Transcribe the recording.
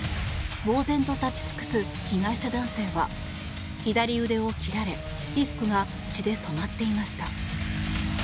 ぼうぜんと立ち尽くす被害者男性は左腕を切られ衣服が血で染まっていました。